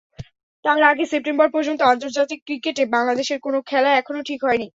তার আগে সেপ্টেম্বর পর্যন্ত আন্তর্জাতিক ক্রিকেটে বাংলাদেশের কোনো খেলা এখনো ঠিক হয়নি।